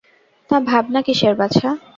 তা ভাবনা কিসের বাছা।